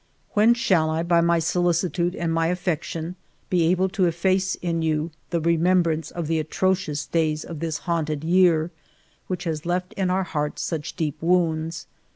" When shall I by my solicitude and my affec tion be able to efface in you the remembrance of the atrocious days of this haunted year, which has left in our hearts such deep wounds